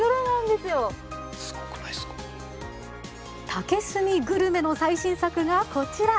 竹炭グルメの最新作がこちら。